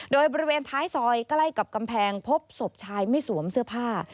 โดยบริเวณท้ายซอยใกล้กับกำแพงพบศพชายไม่สวมเสื้อผ้า